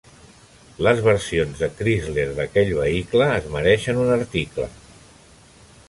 Les versions de Chrysler d'aquell vehicle es mereixen un article.